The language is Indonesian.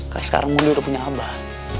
tapi sekarang mundi udah punya abah